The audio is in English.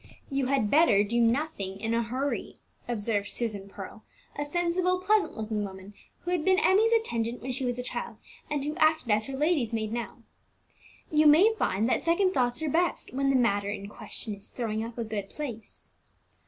"You had better do nothing in a hurry," observed Susan Pearl, a sensible, pleasant looking woman, who had been Emmie's attendant when she was a child, and who acted as her lady's maid now. "You may find that second thoughts are best, when the matter in question is throwing up a good place."